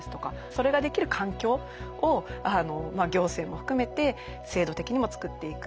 それができる環境を行政も含めて制度的にも作っていく。